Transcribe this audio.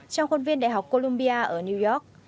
trong khuôn viên đại học columbia ở new york